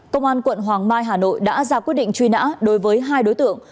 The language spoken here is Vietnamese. công an quận hoàng mai hà nội đã ra quyết định truy nã đối với hai đối tượng